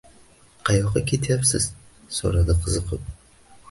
-Qayoqqa ketyapsiz? – so’radi qiziqib.